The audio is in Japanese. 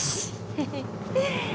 フフッ。